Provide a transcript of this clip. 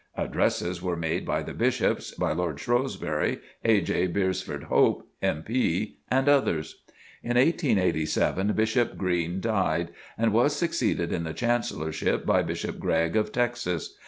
Addresses were made by the Bishops, by Lord Shrewsbury, A. J. Beresford Hope, M.P., and others. In 1887 Bishop Green died and was succeeded in the Chancellorship by Bishop Gregg of Texas.